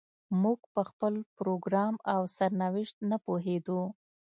موږ په خپل پروګرام او سرنوشت نه پوهېدو.